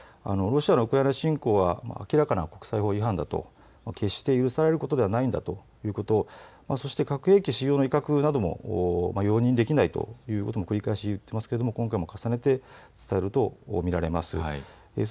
ロシアのウクライナ侵攻は明らかな国際法違反だと、決して許されることではないんだということ、そして核兵器使用の威嚇なども容認できないということも繰り返し言っていますが今回も重ねて伝えると見られます。